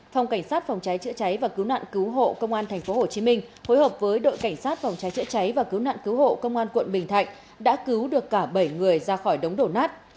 phòng cảnh sát phòng cháy chữa cháy và cứu nạn cứu hộ công an tp hcm hối hợp với đội cảnh sát phòng cháy chữa cháy và cứu nạn cứu hộ công an quận bình thạnh đã cứu được cả bảy người ra khỏi đống đổ nát